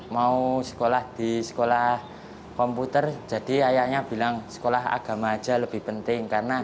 mau sekolah di sekolah komputer jadi ayahnya bilang sekolah agama aja lebih penting karena